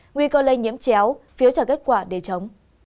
nguy cơ lây nhiễm chéo phiếu trả kết quả để chống